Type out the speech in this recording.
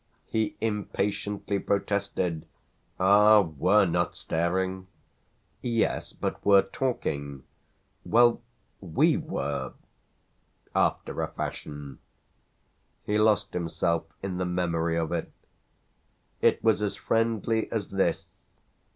He impatiently protested. "Ah! we're not staring!" "Yes, but we're talking." "Well, we were after a fashion." He lost himself in the memory of it. "It was as friendly as this."